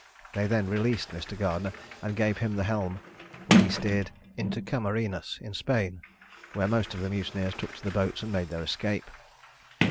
They then released Mr. Gardener, and gave him the helm; when he steered into Camarinas, in Spain, where most of the mutineers took to the boats, and made their escape.